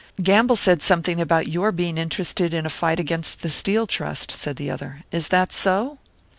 "Gamble said something about your being interested in a fight against the Steel Trust," said the other. "Is that so?"